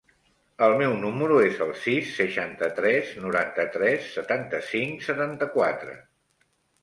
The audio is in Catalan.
El meu número es el sis, seixanta-tres, noranta-tres, setanta-cinc, setanta-quatre.